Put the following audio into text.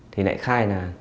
thì lại khai